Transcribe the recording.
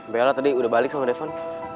bella tadi udah balik sama daven